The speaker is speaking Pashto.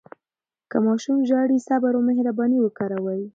که ماشوم ژاړي، صبر او مهرباني وکاروئ.